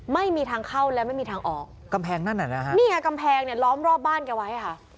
ไม่มีทางเข้าและไม่มีทางออกกำแพงนั่นน่ะนะฮะนี่ไงกำแพงเนี่ยล้อมรอบบ้านแกไว้ค่ะ